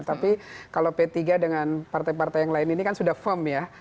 tapi kalau p tiga dengan partai partai yang lain ini kan sudah firm ya